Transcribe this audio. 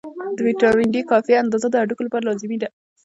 د ویټامین D کافي اندازه د هډوکو لپاره لازمي ده.